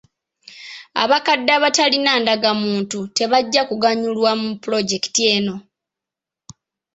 Abakadde abatalina ndagamuntu tebajja kuganyulwa mu pulojekiti eno.